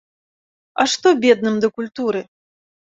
А што бедным да культуры?